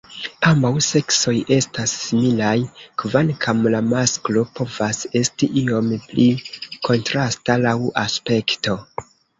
Ambaŭ seksoj estas similaj, kvankam la masklo povas esti iom pli kontrasta laŭ aspekto.